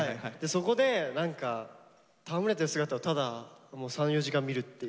そこで何か戯れてる姿をただ３４時間見るっていう。